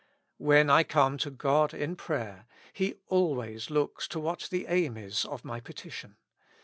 When I come to God in prayer. He always looks to what the aim is of my petition.